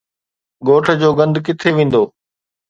ڳوٺ جو گند ڪٿي ويندو؟